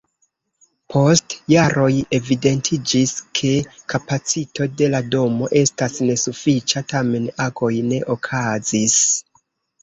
Post jaroj evidentiĝis, ke kapacito de la domo estas nesufiĉa, tamen agoj ne okazis.